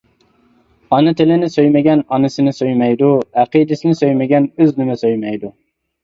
ئانا تىلنى سۆيمىگەن ئانىسىنى سۆيمەيدۇ، ئەقىدىسىنى سۆيمىگەن ئۆزىنىمۇ سۆيمەيدۇ.